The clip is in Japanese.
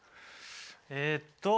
えっと